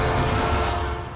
aku akan tepati janjiku